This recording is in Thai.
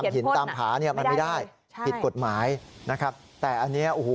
ขีดเขียนพ่นไม่ได้เลยใช่ขีดกฎหมายนะครับแต่อันนี้โอ้โห